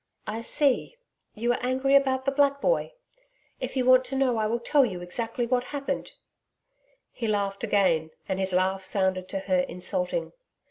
'I see you are angry about the black boy. If you want to know I will tell you exactly what happened.' He laughed again and his laugh sounded to her insulting.